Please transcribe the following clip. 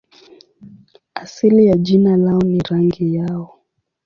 Asili ya jina lao ni rangi yao.